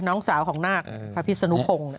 น้องสาวของนาคพระพิษนุพงศ์